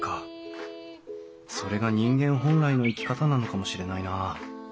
それが人間本来の生き方なのかもしれないなあ。